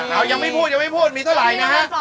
เอายังไม่พูดเยี่ยมมีเท่าไรนะฮะ